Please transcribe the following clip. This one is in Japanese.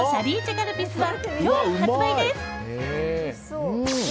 カルピスは今日発売です。